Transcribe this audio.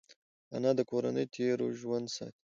انا د کورنۍ تېر ژوند ساتي